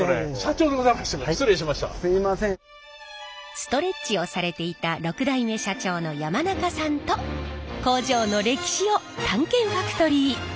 ストレッチをされていた６代目社長の山中さんと工場の歴史を探検ファクトリー！